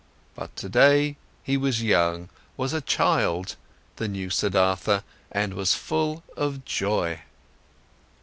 But today he was young, was a child, the new Siddhartha, and was full of joy.